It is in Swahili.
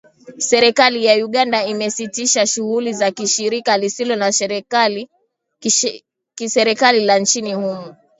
Serikali ya Uganda imesitisha shughuli za shirika lisilo la kiserikali la nchini humo